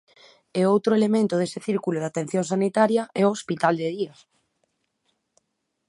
E outro elemento dese círculo de atención sanitaria é o hospital de día.